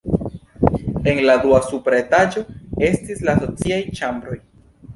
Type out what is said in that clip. En la dua supra etaĝo estis la sociaj ĉambroj.